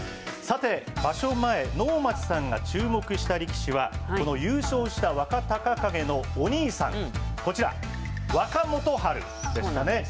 さて、場所前、能町さんが注目した力士は、この優勝した若隆景のお兄さん、こちら、若元春でしたね。